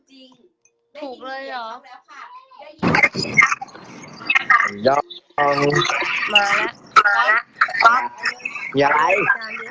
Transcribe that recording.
ได้คุณไม่ได้วันพบคุณหนูไลท์โสดจากห้องไปเย็นหัวแล้วเลขห้อง